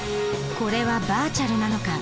これはバーチャルなのか？